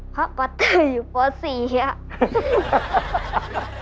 เพราะพัตเตอร์อยู่ป๔ครับ